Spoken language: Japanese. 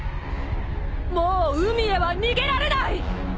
もう海へは逃げられない！